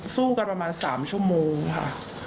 สู้กันประมาณ๓ชั่วโมงค่ะ